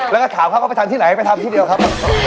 แล้วก็ถามเขาก็ไปทำที่ไหนไปทำที่เดียวครับ